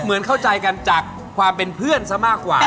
เหมือนเข้าใจกันจากความเป็นเพื่อนซะมากกว่า